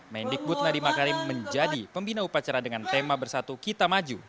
mendikbud nadiem makarim menjadi pembina upacara dengan tema bersatu kita maju